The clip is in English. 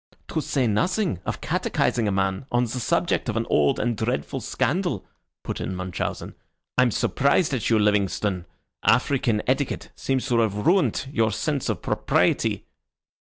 '" "To say nothing of catechising a man on the subject of an old and dreadful scandal," put in Munchausen. "I'm surprised at you, Livingstone. African etiquette seems to have ruined your sense of propriety."